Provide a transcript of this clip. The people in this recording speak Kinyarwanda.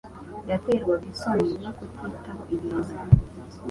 Yaterwaga isoni no kutitaho ibintu.